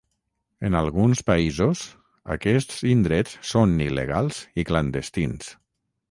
En alguns països aquests indrets són il·legals i clandestins.